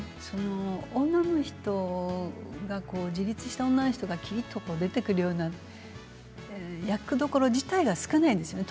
女の人が、自立した女の人がきりっと出てくるような役どころ自体が少ないんですよね